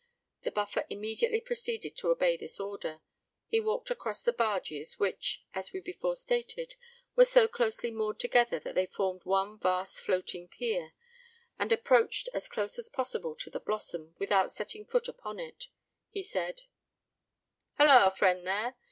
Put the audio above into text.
The Buffer immediately proceeded to obey this order. He walked across the barges, which, as we before stated, were so closely moored together that they formed one vast floating pier; and approaching as close as possible to the Blossom, without setting foot upon it, he said, "Holloa, friend, there!